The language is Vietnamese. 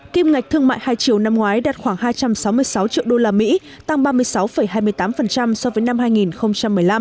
kim ngạch thương mại hai triệu năm ngoái đạt khoảng hai trăm sáu mươi sáu triệu usd tăng ba mươi sáu hai mươi tám so với năm hai nghìn một mươi năm